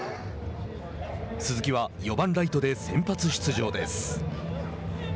鈴木は４番ライトで先発出場です。